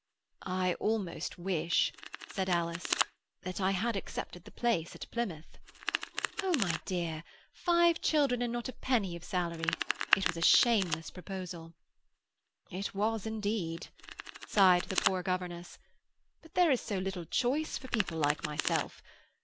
"I almost wish," said Alice, "that I had accepted the place at Plymouth." "Oh, my dear! Five children and not a penny of salary. It was a shameless proposal." "It was, indeed," sighed the poor governess. "But there is so little choice for people like myself.